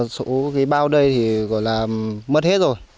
số cái bao đây thì gọi là mất hết rồi